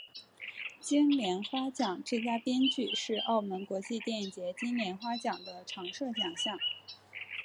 金莲花奖最佳编剧是澳门国际电影节金莲花奖的常设奖项。